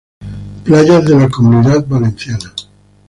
Playas de la Comunidad Valenciana